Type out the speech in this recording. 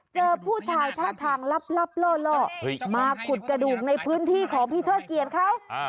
เจอผู้ชายท่าทางลับล่อมาขุดกระดูกในพื้นที่ของพี่เทิดเกียรติเขา